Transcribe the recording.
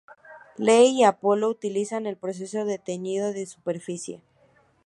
Lee y Apolo utilizan el proceso de teñido de superficie.